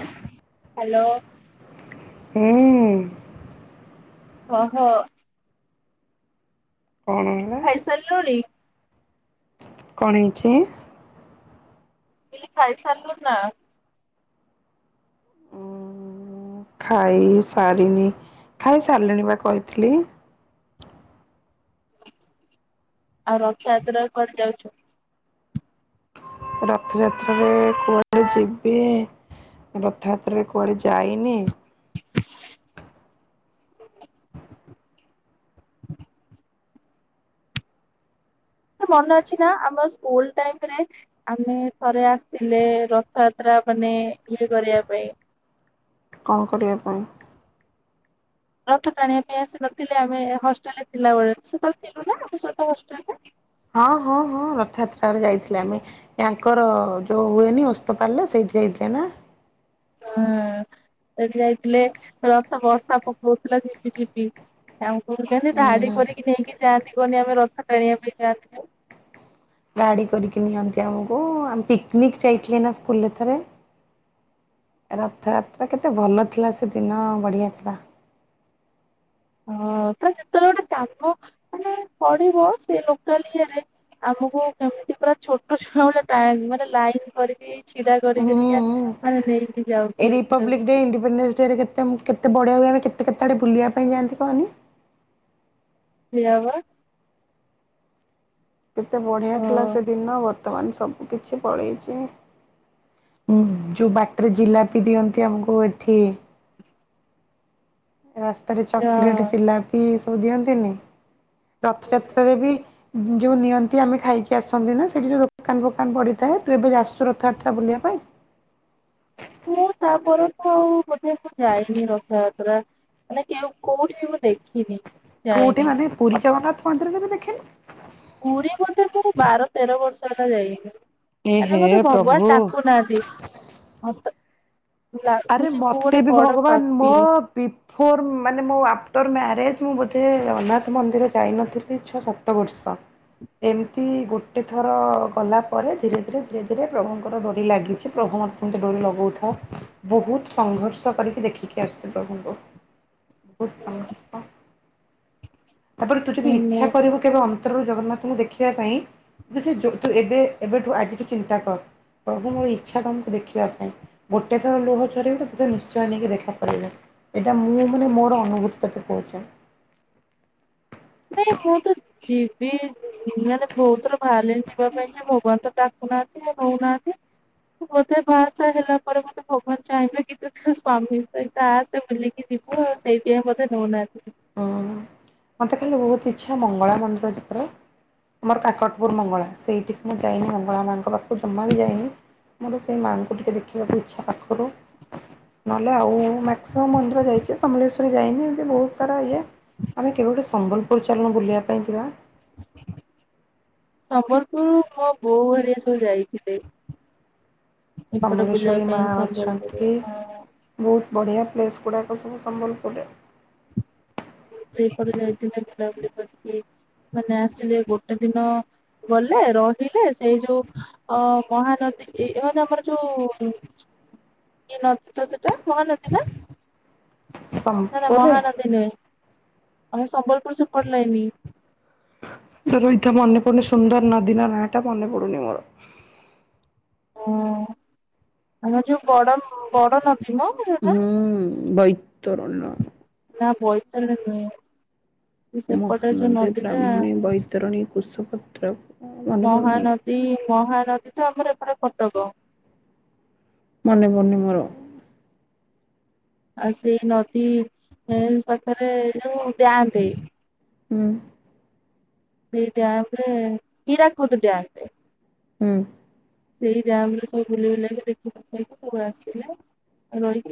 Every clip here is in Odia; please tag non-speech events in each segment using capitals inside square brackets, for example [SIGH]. ହ୍ୟାଲୋ ହଁ ଓହୋ କଣ? ହାଲୋରି। କଣ ହେଇଚି? ଖାଇ ସାରିଲୁ ନା? ଖାଇ ସାରିନି ଖାଇ ସାରିଲିଣି ବା କହିଥିଲି। ଆଉ ରଥଯାତ୍ରା କୁ କୁଆଡେ ଯାଉଚୁ? ରଥଯାତ୍ରାରେ କୁଆଡ଼େ ଯିବି? ରଥଯାତ୍ରାରେ କୁଆଡ଼େ ଯାଇନି। ମନେ ଅଛି ନା ଆମ ସ୍କୁଲ ଟାଇମରେ- - ଆମେ ଥରେ ଆସିଥିଲେ ରଥଯାତ୍ରା ମାନେ ଇଏ କରିବା ପାଇଁ। କଣ କରିଆ ପାଇଁ? ରଥ ଟାଣିବା ପାଇଁ ଆସି ନଥିଲେ ଆମେ ହଷ୍ଟେଲ ରେ ଥିଲାବେଳେ। ସେ ତାହେଳେ ଥିଲୁ ନା ଆମ ସହିତ ହଷ୍ଟେଲ ରେ। ହଁ ହଁ ହଁ ରଥଯାତ୍ରାରେ ଯାଇଥିଲେ ଆମେ। ୟାଙ୍କର ଯୋଉ ହୁଏନି ଓସ୍ତପାଲେ ସେଇଠି ଯାଇଥିଲେ ନା? ହଁ ସେଠି ଯାଇଥିଲେ ରଥ ବର୍ଷା ପକଉଥିଲା ଝିପିଝିପି। ଆଉ କହୁନ୍ତି ଧାଡ଼ି ଉଁ କରିକି ନେଇକି ଯାଆନ୍ତି କହୁହନି ଆମେ ରଥ ଟାଣିବା ପାଇଁ ଯାଆନ୍ତି ଯୋଉ। ଗାଡି କରିକି ନିଅନ୍ତି ଆମକୁ ଆମେ ପିକ୍‌ନିକ୍ ଯାଇଥିଲେ ନା ସ୍କୁଲରେଥରେ। ରଥଯାତ୍ରା କେତେ ଭଲ ଥିଲା ସେ ଦିନ ବଢ଼ିଆ ଥିଲା। ହଁ ତ ଯେତେବେଳେ ଗୋଟେ କାମ ମାନେ ପଡିବ ସେ ଲୋକାଲ ଇଏରେ ଆମକୁ କେମିତି ପୁରା ଛୋଟ ଛୁଆ ଭଳିଆ ମାନେ ଲାଇନ କରିକି - - ଛିଡା କରିକି ହୁଁ ଏମିତିଆ ନେଇକି ଯାଉ। ଏ ରିପବ୍ଲିକ ଡେ ଇଡିପେଣ୍ଡେନ୍ସ ଡରେ କେତ କେତ ବଢଆ ହ କେତ କେତେ ଆଡେ ବୁଲିବା ପାଇଁ ଯାନ୍ତି କହନି। ହେୟା ବା। କେତେ ବଢ଼ିଆ ଥିଲା ହଁ ସେଦିନ ବର୍ତ୍ତମାନ ସବୁ କିିଛି ପଳେଇଚି। ଯୋଉ ବାଟରେ ଜିଲାପି ଦିଅନ୍ତି ଆମକୁ ଏଠି- - ରାସ୍ତାରେ ଯା ଚକୋଲେଟ ଜିଲାପି ଏ ସବୁ ଦିଅନ୍ତିନି ରଥଯାତ୍ରାରେରେ ବି ଯେଉଁ ନିଅନ୍ତି ଆମେ ଖାଇକି ଆସନ୍ତି ନା ସେଇଠି ଯେଉଁ ଦୋକାନ ଫୋକାନ ପଡ଼ିଥାଏ। ତୁ ଏବେ ଆସୁଚୁ ରଥଯାତ୍ରା ବୁଲିବା ପାଇଁ। ମୁଁ ତାପରଠୁ ଆଉ ବୋଧେକୁ ଯାଇନି ରଥଯାତ୍ରା। ମାନେ କେ କୋଉଠି ମୁଁ ଦେଖିନି। କୋଉଠି ଯାଇନି। ମାନେ ଅ, ପୁରୀ ଜଗନ୍ନାଥ ମନ୍ଦିରରେ ବି ଦେଖେନି। ପୁରୀ ଗୋଟେ ପ ବାର ତେର ବର୍ଷ ହେଲା ଯାଇନି। ଏ ଆରେ ହେ ମତେ ଭଗବାନ ପ୍ରଭୁ ଡାକୁ ନାହାନ୍ତି। ମତ- - ଆରେ ମୋତେ ବି ଭଗବାନ ମୋ ପାପି - - ବିଫୋର୍ ମାନେ ମୋ ଆଫ୍ଟର୍ ମ୍ୟାରେଜ୍ ମୁଁ ବୋଧେ ଜଗନ୍ନାଥ ମନ୍ଦିର ଯାଇନଥିଲି। ଛଅ ସାତ ତ ବର୍ଷ ଏ ରାତି ଗୋଟେ ଥର ଗଲା ପରେ ଧୀରେ ଧୀରେ ଧୀରେ ଧୀରେ ପ୍ରଭୁଙ୍କର ଡରି ଲାଗିଛି। ସେ ପ୍ରଭୁ ମତେ ସେମିତି ଡୋରି ଲଗଉଥାଉ। ବୋହୁତ୍ ସଂଘର୍ଷ କରିକି ଦେଖିକି ଆସିଛି ପ୍ରଭୁଙ୍କୁ ବହୁତ୍ ଭଲ। ତାପରେ ତୁ ଯଦି ଇଚ୍ଛା ମୁଁ କରିବୁ କେବେ ଅନ୍ତରରୁ ଜଗନ୍ନାଥଙ୍କୁ ଦେଖିବା ପାଇଁ ସେ ତୁ ଏବେ ଏବେଠୁ ଆଜି ତୁ ଚିନ୍ତା କର ପ୍ରଭୁ ମୋର ଇଛା ତମକୁ ଦେଖିବା ପାଇଁ। ଗୋଟେ ଥର ଲୁହ ଝରାଇବୁ ତ ସେ ନିଶ୍ଚୟ ନେଇକି ଦେଖା କରାଇବେ। ଏଇଟା ମୁଁ ମାନେ ମୋର ଅନୁଭୂତ ତତେ କହୁଚି। ନାଇଁ ମୁଁ ତ ଯିବି ମାନେ ବୋହୁତ୍ ଥର ବାହାରିଲିଣି ଯିବା ପାଇଁ ଯେ ଭଗବାନ ତ ଡାକୁନାହାନ୍ତି ନଉନାହାନ୍ତି। ବୋଧେ ବାହା ସାହା ହେଲା ପରେ ମତେ ଭଗବାନ ଚାହିଁବେ [UNINTELLIGIBLE] ତା ସେ ବୁଲିକି ଯିବୁ ଆଉ ସେଇଥିପାଇଁ ବୋଧେ ନଉନାହାନ୍ତି। ହୁଁ ମୋତେ ଖାଲି ବୋହୁତ୍ ଇଚ୍ଛା ମଙ୍ଗଳା ମନ୍ଦିର [UNINTELLIGIBLE] ମୋର କାକଟପୁର୍ ମଙ୍ଗଳା ସେଇଠିକି ମୁଁ ଯାଇନି ମଙ୍ଗଳା ମାଙ୍କ ପାଖକୁ ଜମା ବି ଯାଇନି। ମୋର ସେଇ ମାଆଙ୍କୁ ଟିକେ ଦେଖିବାକୁ ଇଚ୍ଛା ପାଖରୁ। ନହେଲେ ଆଉ ମା୍କ୍ସିମମ୍ ମନ୍ଦିର ଯାଇଛି। ସମଲେଶ୍ଵରୀ ଯାଇନି ଏମିତି ବୋହୁତ୍ ତର ଇଏ। ଆମେ କେବେ ଗୋଟେ ସମ୍ବଲପୁର ଚାଲୁନ ବୁଲିବା ପାଇଁ ଯିବା? ସମ୍ବଲପୁର ମୋ ବୋଉ ହାରିକା ସବୁ ଯାଇଥିଲେ। ଏପଟ ବୁଲିବା ସମଲେଶ୍ୱରୀ ପାଇଁ ସମ୍ବଲପୁର, ହଁ। ବୋହୁତ୍ ବଢ଼ିଆ ପ୍ଲେସ୍ ଗୁଡ଼ାକ ସବୁ ସମ୍ବଲପୁରରେ। ସେଇପଟ ଯାଇଥିଲେ ବୁଲାବୁଲି କରିକି ମାନେ ଆସିଲେ ଗୋଟେ ଦିନ ଗଲେ ରହିଲେ ସେଇ ଯୋଉ ଅ ମହାନଦୀ ଏ ମାନ ଆମର ଯୋଉ କିଏ ନଦୀ ତ ସେଟା ମହାନଦୀ ନା? ନା ନା ସମ୍ବଲପୁରରେ ମହାନଦୀ ନୁହେଁ। ଆମେ ସମ୍ବଲପୁର ସେ ପଟ ଲାଇନ୍। [UNINTELLIGIBLE] ତ ମନେ ପଡୁନି ସୁନ୍ଦର ନଦୀର ନାଁ ଟା ମନେ ପଡୁନି ମୋର। ଓ ଆମ ଯୋଉ ବଡ ବଡ ନଥିବ ହୁଁ ବୈତରଣ। ନା ବୈତରଣୀ ନୁହେଁ। ସେପଟେ ଯୋଉ ନଦୀ ଟା ବିତରଣୀ କୁଷ ପତ୍ର ମହାନଦୀ ମହାନଦୀ ତ ଆମର ଏପଟ କଟକ। ମନେ ମନେ ମୋର ଆଉ ସେଇ ନଦୀ ପାଖରେ ଯୋଉ ଡ୍ୟାମ୍ ହୁଁ। ସେଇ ଡ୍ୟାମ୍ ରେ ହୀରା କୁଦ ଡ୍ୟାମ୍। ହୁଁ। ସେଇ ଡ୍ୟାମ୍ ରେ ସବୁ ବୁଲି ବୁଲାକି ଦେଖି ଦୁଖାକି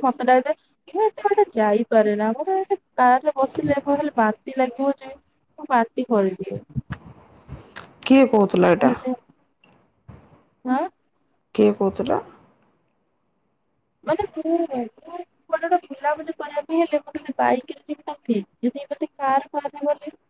[UNINTELLIGIBLE] କି ଏତେ ଗୋଟେ ଯାଇପାରେନା ଆମର ଏ କାର ରେ ବସିଲେ କ ହେଲେ ବାନ୍ତି ଲାଗିବ ଯେ ମୁଁ ବାନ୍ତି କରି ଦିଏ। କିଏ କହୁଥିଲା ଏଇଟା? ମାନେ ହଁ କିଏ କହୁଥିଲା? ମାନେ [UNINTELLIGIBLE] କୁଆଡେ ଗୋଟେ ବୁଲି କରିବା ପାଇଁ ହେଲେ ବାଇକ୍ ରେ ଯିବୁ ଠିକ୍। [UNINTELLIGIBLE]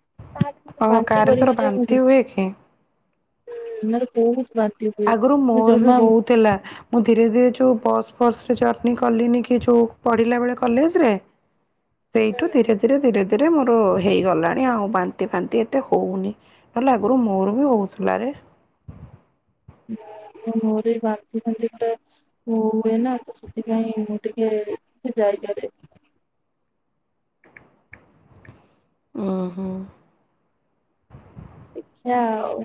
ଆଉ କାରରେ ତୋର ବାନ୍ତି ହୁଏ କି [UNINTELLIGIBLE] ଆଗରୁ ମୁଁ ମୋର ବି ଜମା ମୋ ହଉଥିଲା। ମୁଁ ଧୀରେ ଧୀରେ ଯଉ ବସ୍ ଫସ ରେ ଜର୍ଣ୍ଣିି କଲିନି କି ଯଉ ପଢ଼ିଲା ବେଳେ କଲେଜରେ ସେଇଠୁ ଧୀରେ ଧୀରେ ଧୀରେ ଧୀରେ ମୋର ହେଇଗଲାଣି ଆଉ ବାନ୍ତି ଫାନ୍ତି ଏତେ ହଉନି। ହେଲେ ଆଗରୁ ମୋର ବି ହଉଥିଲା ରେ। ମୋର ଏଇ ବାନ୍ତି ଫାନ୍ତି ଟା ହ ହୁଏନା ତ ସେଥିପାଇଁ ମୁଁ ଟିକେ କି ଯାଇପାରେ। ଉଁ ହୁଁ। ଦେଖିବା ଆଉ।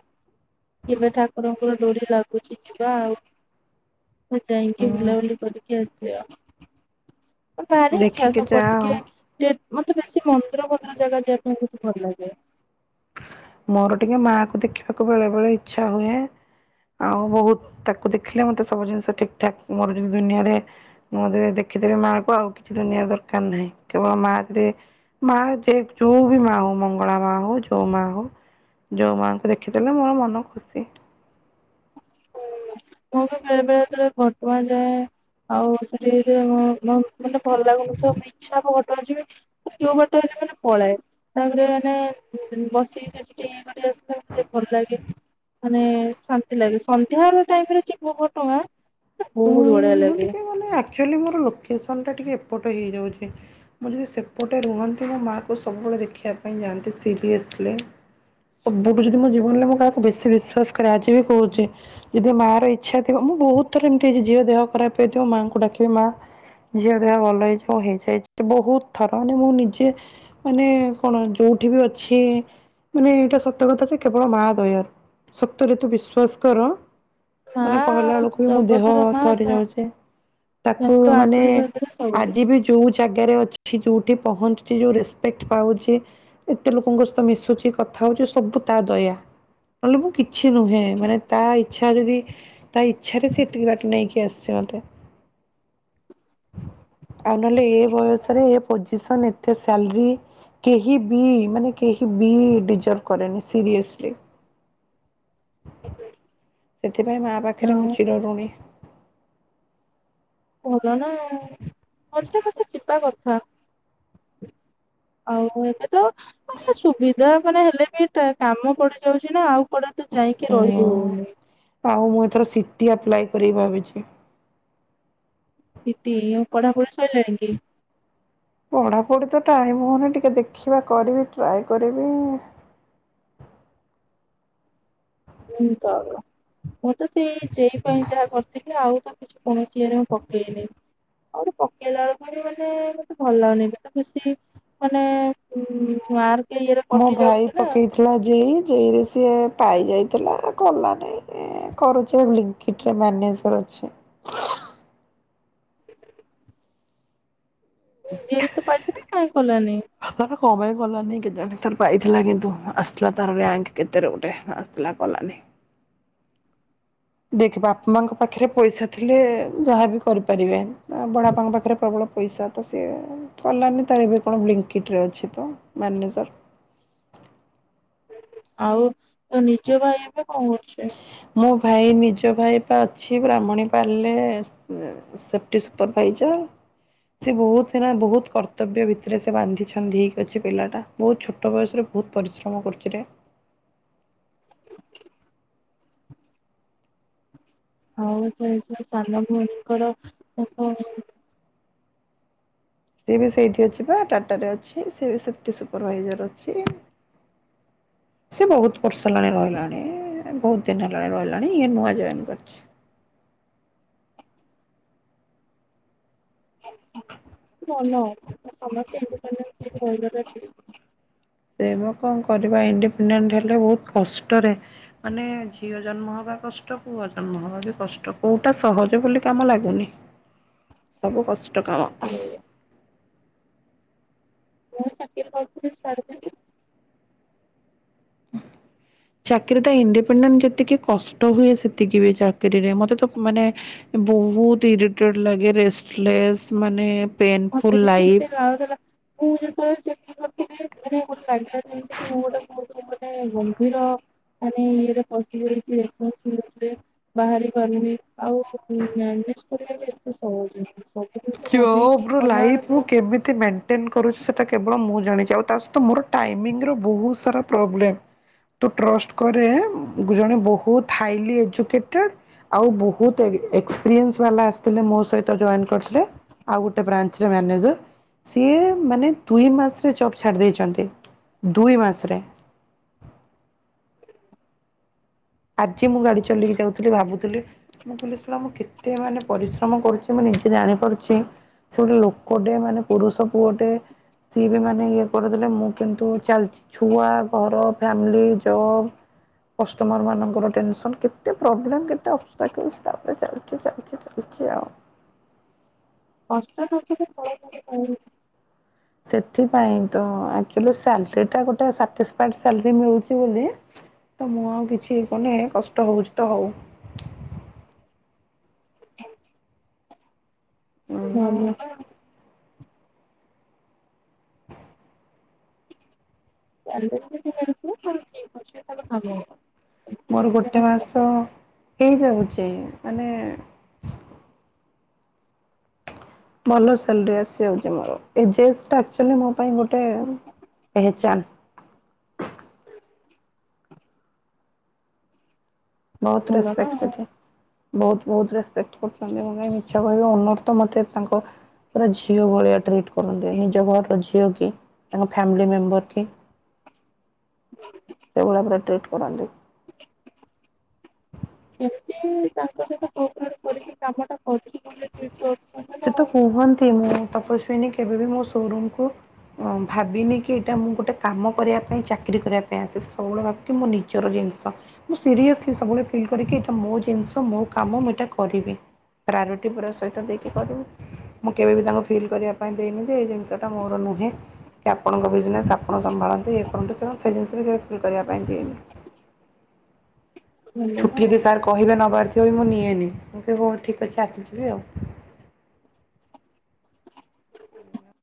କେବେ ଠାକୁରଙ୍କର ଡୋରି ଲାଗୁଛି ଯିବା ଆଉ। ଯାଇକି ହୁଁ ବୁଲାବୁଲି କରି [UNINTELLIGIBLE] ଆସିବା। ଭାରି ଇଛା ଦେଖିକି ଯା ସବକର ଆଉ ଟିକେ ଯେ ମତେ ବେଶୀ ମନ୍ଦିର ଭନ୍ଦୀର ଜାଗା ଯିବା ପାଇଁ ବହୁତ ଭଲ ଲାଗେ। ମୋର ଟିକେ ମା କୁ ଦେଖିବାକୁ ବେଳେ ବେଳେ ଇଚ୍ଛା ହୁଏ। ଆଉ ବହୁତ ତାକୁ ଦେଖିଲେ ମୋତେ ସବୁ ଜିନିଷ ଠିକ ଠାକ୍ ମୋର ଯଦି ଦୁନିଆରେ ମୁଁ ଯଦି ଦେଖିଦେବି ମାଆ କୁ ଆଉ କିଛି ଦୁନଆ ଦରକାର ନାହିଁ। କେବଳ ମାଆ ଯଦି ମା ଯେ ଯୋଉ ବି ମା ହଉ ମଙ୍ଗଳା ମା ହଉ, ଯୋଉ ମା ହଉ ଯୋଉ ମା ଙ୍କୁ ଦେଖିଦେଲେ ମୋର ମନ ଖୁସି। ମୁଁ ତ ବେଳେ ବେଳେ ଥରେ [UNINTELLIGIBLE] ଯାଏ। ଆଉ ସେଠି ଯଦି [UNINTELLIGIBLE] ଉଁ ମାନେ ଭଲ [UNINTELLIGIBLE] ଇଚ୍ଛା ହବ ତ ଯିବି। [UNINTELLIGIBLE] ବାଟ ହେଲେ ନହେଲେ ପଳାଏ। ତାପରେ ମାନେ ବସିକି ସେଠିକେ [UNINTELLIGIBLE] ଭଲ ଲାଗେ। ମାନେ ଶାନ୍ତି ଲାଗେ। ସଂନ୍ଧ୍ୟା ବେଳ ଟାଇରେ ରେ ଯିବ ମ ଟଙ୍କା ମୁଁ ଟିକେ ମାନେ ଆକ୍ଚୁଆଲି ମୋର ଲୋକେସନ୍ ଟା ଟିକେ ଏପଟ ହେଇଯାଉଛି। ମୁଁ ଯଦି ସେପଟେ ରୁହନ୍ତି ମୋ ମାଆକୁ ସବୁବେଳେ ଦେଖିବା ପାଇଁ ଯାଆନ୍ତି ସିରିଏସଲି। ସବୁଠୁ ଯଦି ମୋ ଜୀବନରେ ମୁଁ କାହାକୁ ବେଶୀ ବିଶ୍ୱାସ କରେ ଆଜିି ବି କହୁଛି ଯଦି ମାଆ ର ଇଚ୍ଛା ଥିବ ମୁଁ ବହୁତ ଥର ଏମିତି ହେଛି ଝିଅ ଦେହ ଖରାପ ହେଇଥିବ ମାଆଙ୍କୁ ଡାକିବି ମା ଝିଅ ଦେହ ଭଲ ହେଇଯିବ ହେଇଯାଇଛି ବହୁତ ଥର ମାନେ ମୁଁ ନିଜେ ମାନେ କଣ ଯୋଉଠି ବି ଅଛି ମାନେ ଏଇଟା ସତକଥା ଯେ କେବଳ ମା ଦୟା ସତରେ ତୁ ବିଶ୍ୱାସ କର, ମା ମାନେ କହିଲା ଆଉ ବେଳକୁ ମୋ ଦେହ ଜଗତର ମା ଥରି ତା ଯାଉଛି। ତାକୁ ତାଙ୍କ ମାନେ ଆଶୀର୍ବାଦରେ ସବୁ ଆଜି କିଛି ବି ଯୋଉ ଜାଗାରେ ଅଛି, ଯୋଉଠି ପହଞ୍ଚୁଛି, ଯୋଉ ରେସପେକ୍ଟ ପାଉଛି ଏତେ ଲୋକଙ୍କ ସହିତ ମିଶୁଛି, କଥା ହଉଛି, ସବୁ ତା ଦୟା। ନହେଲେ ମୁଁ କିଛି ଛି ନୁହେଁ ମାନେ ତା ଇଚ୍ଛାରେ ବି ତା ଇଚ୍ଛା ରେ ସେ ଏତିକି ବାଟ ନେଇକି ଆସିଛି ମୋତେ। ଆଉ ନହେଲେ ଏ ବୟସରେ ଏ ପୋଜିସନ, ଏତେ ସାଲରୀ କେହି ବି ମାନେ କେହି ବି ଡିଜାର୍ଭ କରେନି ସିରିଆସଲି। ସେଥିପାଇଁ ମା ପାଖରେ ମୁଁ ଆଉ ଚିରଋଣୀ। ଭଲ ନା ଆଉ। ମଝିରେ ମଝିରେ ଯିବା କଥା। ଆଉ ମୁଁ ଏବେ ତ ମାନେ ସୁବିଧା ମାନେ ହେଲେ ବି ତ କାମ ପଡିଯାଉଛି ନା ଆଉ କୁଡା ତ ଯାଇକି ହୁଁ ରହି ହଉନି। ଆଉ ମୁଁ ଏଥର ସିଟି ଆପ୍ଲାଏ କରିବି ଭାବିଛି। ସିଟି, ଆଉ ପଢାପଢି ସଇଲାଣି କି? ପଢ଼ାପଢ଼ି ତ ଟାଇମ୍ ହଉନି ଟିକେ ଦେଖିବା କରିବି ଟ୍ରାଏ କରିବି। [UNINTELLIGIBLE] ମୁଁ ତ ସେଇ ଯେଇ ପାଇଁ ଯାହା କରିଥିଲି ଆଉ ତ କିଛି କୌଣସିରେ ମୁଁ ପକେଇନି। ଆଉ ଗୋଟେ ପକେଇଲା ବେଳୁକୁ ବି ମାନେ ମତେ ଭଲ ଲାଗୁନି ମତେ ଖୁସି ମାନେ ମାର୍କ ଇଏରେ କଟି ଯାଉଚି ନା ଥିଲା ଜେଇ ଜେଇରେ ସିଏ ପାଇ ଯାଇଥିଲା କଲାନାଇ। ଏ କରୁଚି ଲିଙ୍କଟ୍ରି ରେ ମ୍ୟାନେଜର୍ ଅଛି। ଯେହେତୁ ପାଇଥିଲା କାଇଁ କଲାନି? ତାର କଁ ପାଇଁ କଲାନି କେଜାଣି ତାର ପାଇଥିଲା କିନ୍ତୁ ଆସଥିଲା ତାର ରୟାଙ୍କ କେତେରେ ଗୋଟେ ଥିଲା କଲାନି। ଦେଖିବା ବାପା ମାଙ୍କ ପାଖରେ ପଇସା ଥିଲେ ଯାହା ବି କରିପାରିବେ ନା ବଡ଼ାପାଙ୍କ ପାଖରେ ପ୍ରବଳ ପଇସା। ତ ସିଏ କଲାନି ତାର ଏବେ କଣ ବ୍ଲିଙ୍କିଟି ରେ ଅଛି ତ ମ୍ୟାନେଜର୍। ଆଉ ତୋ ନିଜ ଭାଇ ଏବେ କଣ କରୁଚି? ମୋ ଭାଇ ନିଜ ଭାଇ ପା ଅଛି ବ୍ରାହ୍ମଣୀ ପାଲ ରେ ସେଫ୍ଟି ସୁପରଭାଇଜର୍। ସେ ବହୁତିନା ବହୁତ କର୍ତ୍ତବ୍ୟ ଭିତରେ ସେ ବାନ୍ଧିଛନ୍ଦି ହେଇକି ଅଛି ପିଲାଟା। ବହୁତ ଛୋଟ ବୟସରେ ବହୁତ ପରିଶ୍ରମ କରୁଚିରେ। ଆଉ ସେ ଯୋଉ ସାନ ଭଉଣୀ ଙ୍କର ତାଙ୍କ ସିଏ ବି ସେଇଠି ଅଛି ବା ଟାଟାରେ ଅଛି ସିଏ ବି ସେପ୍ଟି ସୁପରଭାଇଜର ଅଛି। ସେ ବହୁତ ବର୍ଷ ହେଲାଣି ରହିଲାଣି ବହୁତ ଦିନ ହେଲାଣି ରହିଲାଣି ଇଏ ନୂଆ ଜଏନ୍ କରିଚି। ଭଲ ସମସ୍ତେ ଇଣ୍ଡିପେଣ୍ଡେଣ୍ଟସ୍ ହେଇକି ରହିବା ଟା ଠିକ। ସେଇ ବା କଣ କରିବା ଇଣ୍ଡିପେଣ୍ଡେଣ୍ଟ ହେଲେ ବହୁତ କଷ୍ଟରେ ମାନେ ଝିଅ ଜନ୍ମ ହବା କଷ୍ଟ ପୁଅ ଜନ୍ମ ହବା ବି କଷ୍ଟ କୋଉଟା ସହଜ ବୋଲି କାମ ଲାଗୁନି। ସବୁ କଷ୍ଟ କାମ। ହୁଁ। ମୁଁ ଚାକିରି କରୁଥିଲି ଛାଡ଼ଦେଲି। ହଁ ଚାକିରରିଟା ଇଣ୍ଡିପେଣ୍ଡେଣ୍ଟ ଯେତିକି କଷ୍ଟ ହୁଏ ସେତିକି ବି ଚାକିରିରେ ମତେ ତ ମାନେ ବହୁତ ଇରିଟେଡ ଲାଗେ ରେଷ୍ଟଲେସ୍ ମାନେ ପେନ୍ ଫୁଲ ଲାଇଫ୍। ଆଉ ସେଟା ମୁଁ ଯେତେବେଳେ ଚାକିରୀ କରିଥିଲି ମାନେ ମତେ ଲାଗିଲା ଯେମିତିକି ମୁଁ ଗୋଟେ ବହୁ ମାନେ ଗମ୍ଭୀର ମାନେ ଇଏରେ ପଶିଯାଇଚି [UNINTELLIGIBLE] ବାହାରି ପାରୁନି ଆଉ ମ୍ୟାନେଜ କରିବା ବି ଏତେ ସହଜ ସବୁ କିଛି ବନେଇକି ମୋ କଲା ଲାଇଭ କୁ ବେଳକୁ କେମିତି ମଣ୍ଟ ଟେନ୍ କରୁଚି ସେଇଟା କେବଳ ମୁଁ ଜାଣିଚି ଆଉ ତା ସହିତ ମୋର ଟାଇମିଙ୍ଗର ବହୁତ ସାରା ପ୍ରୋବ୍ଲେମ୍ ତୁ ଟ୍ରଷ୍ଟ କରେ ଜଣେ ବହୁତ ହାଇଲି ଏଜୁକେଟେଡ଼୍ ଆଉ ବହୁତ ଏଗ ଏକ୍ସପିରିଏନ୍ସ ବାଲା ଆସିଥିଲେ ମୋ ସହିତ ତ ଜଏନ୍ କର ଟେ ଆଉ ଗୋଟେ ବ୍ରାଞ୍ଚରେ ମାନେଜର୍ ସିଏ ମାନେ ଦୁଇ ମାସରେ ଜବ୍ ଛାଡ଼ି ଦେଇେଇଚନ୍ତି ଦୁଇ ମାସରେ। ଆଜି ମୁଁ ଗାଡି ଚଲେଇକି ଯାଉଥିଲି ଭାବୁଥିଲି ମୁଁ ଲାହିଲି ଶଳା ମୁଁ କେତେ ମାନେ ପରିଶ୍ରମ କରୁଚି ମୁଁ ନିଜେ ଜାଣିପାରୁଚି। ସେ ଗୋଟେ ଲୋକଟେ ମାନେ ପୁରୁଷ ପୁଅଟେ ସିଏ ବି ମାନେ ଇଏ କରିଦେଲେ ମୁଁ କିନ୍ତୁ ଚାଲିଚି। ଛୁଆ, ଘର, ଫ୍ୟାମିଲି, ଜବ କଷ୍ଟମର ମା ନଙ୍କର ଟେନସନ କେତେ ପ୍ରୋବ୍ଲେ କେତେ ଅଷ୍ଟ୍ରାଲ ତାପରେ ଚାଲିଚି ଚାଲିଚି ଚାଲିଚି ଆଉ। କଷ୍ଟ ନକଲେ ଫଳ କେମିତି ପାଇବୁ। ସେଥିପାଇଁ ତ ଏକ୍ଟୁଆଲୀ ସାଲେରୀଟା ଗୋଟେ ସାଟିସ୍ଫାଇଡ ସାଲେରୀ ମିଳୁଚି ବୋଲି ତ ମୁଁ ଆଉ କିଛି କରୁନି କଷ୍ଟ ହେଉଚି ତ ଉ। [INAUDIBLE] ହଉ। [INAUDIBLE] [INAUDIBLE] ସେମିତି ମୋର କିଛି ଗୋଟେ ମିଳୁନଥିବ ମାସ ତାହେଲେ ହେଇଯାଉଚି ମାନେ ଭଲ ସାଲେରୀ ଆସି ଯାଉଚି ମୋର ଏ ଜେସ୍ ଟା ଏକ୍ଟୁଆଲୀ ମୋ ପାଇଁ ଗୋଟେ ପେହେଚାନ। ବହୁତ ଭଲ ନା ରେସପେକ୍ଟ ଆଉ। ସେଠି। ବହୁତ ବହୁତ ରେସପେକ୍ଟ କରୁଚନ୍ତି ମୁଁ କାହିଁ ମିଛ କହିବି ଓନର୍ ତ ମୋତେ ତାଙ୍କ ପୁରା ଝିଅ ଭଳିଆ ଟ୍ରିଟ୍ କରନ୍ତି। ନିଜ ଘରର ଝିଅ କି, ତାଙ୍କ ଫ୍ୟାମିଲି ମେମ୍ବର କି ସେଇଭଳିଆ ପୁରା ଟ୍ରିଟ୍ କରନ୍ତି। ଏମିତି ତାଙ୍କ ସହିତ କୋପରେଟ୍ କରିକି କାମଟା କରିଛି ବୋଲି ଠିକ୍ କରୁଛନ୍ତି ସେ ନା ତ ଆଉ କୁହନ୍ତି, ମୁଁ ତପସ୍ୱିନୀ କେବେ ବି ମୋ ସୋରୁମକୁୁ ଭାବିନି କି ଏଇଟା ମୁଁ ଗୋଟେ କାମ କରିବା ପାଇଁ ଚାକିରୀ କରିବା ପାଇଁ ଆସିଚି। ସବୁବେଳେ ଭା ମୋ ନିଜର ଜିନିଷ। ମୁଁ ସିରିୟସଲି ସବୁବେଳେ ଫିଲ୍ କରେକି ଏଇଟା ମୋ ଜିନିଷ, ମୋ କାମ, ମୁଁ ଏଇଟା କରିବି। ପ୍ରାୟୋରିଟି ପୁରା ସହିତ ଦେ ଖି କରିବି। ମୁଁ କେବେ ବିି ତାଙ୍କୁ ଫିଲ୍ କରିବା ପାଇଁ ଦେଇନି ଯେ ଏ ଜିନିଷଟା ମୋର ନୁହେଁ କି ଆପଣଙ୍କ ବିଜନେସ୍, ଆପଣ ସମ୍ଭାଳନ୍ତୁ, ଇଏ କରନ୍ତୁ, ସିଏ କରନ୍ତୁ, ସେଇ ଜିନିଷ ବି କେବେ ଫିଲ କରିବା ପାଇଁ ଦିଏନି। ଭଲ ନା। ଛୁଟି ଯଦି ସାର୍ କହିବେ ନବାର ଥିବ ବି ମୁଁ ନିଏନି। ମୁଁ କହିବି ହଉ ଠିକ୍ ଅଛି ଆସିଯିବି ଆଉ।